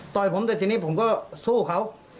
แต่ทีนี้ผมสู้เขา